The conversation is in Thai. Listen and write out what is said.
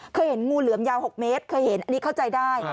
เคยเห็นงูเหลือมยาว๖เมตรเคยเห็นอันนี้เข้าใจได้